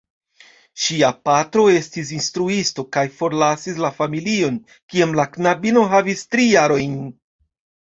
Ŝia patro estis instruisto, kaj forlasis la familion, kiam la knabino havis tri jarojn.